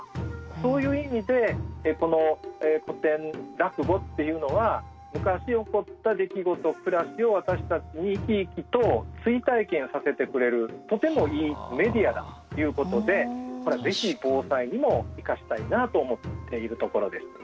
そういう意味でこの古典落語っていうのは昔起こった出来事暮らしを私たちに生き生きと追体験させてくれるとてもいいメディアだということでこれはぜひ防災にも生かしたいなと思っているところです。